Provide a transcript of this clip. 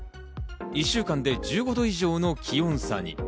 １週間で１５度以上の気温差に。